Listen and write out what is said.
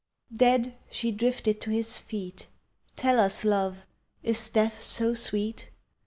Dead, she drifted to his feet. Tell us, Love, is Death so sweet?